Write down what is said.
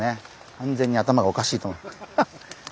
完全に頭がおかしいと思ってる。